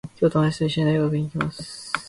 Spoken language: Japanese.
今日、ともだちといっしょに、大学に行きます。